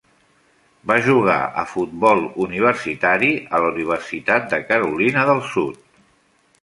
Va jugar a futbol universitari a la Universitat de Carolina del Sud.